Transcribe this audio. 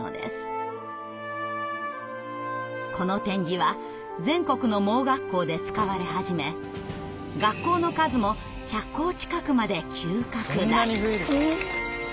この点字は全国の盲学校で使われ始め学校の数も１００校近くまで急拡大。